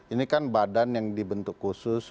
ini kan badan yang dibentuk khusus